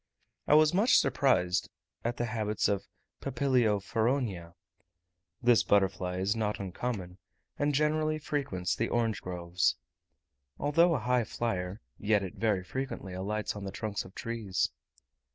I was much surprised at the habits of Papilio feronia. This butterfly is not uncommon, and generally frequents the orange groves. Although a high flier, yet it very frequently alights on the trunks of trees.